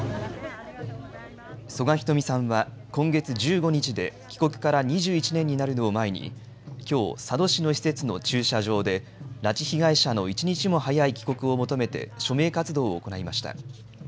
曽我ひとみさんは今月１５日で帰国から２１年になるのを前にきょう、佐渡市の施設の駐車場で拉致被害者の１日も早い帰国を求めて署名活動を行いました。